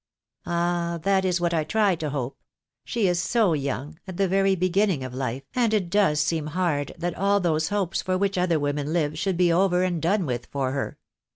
"Ah, that is what I try to hope. She is so young, at the very beginning of life, and it does seem hard that all those hopes for which other women live should be over and done with for her.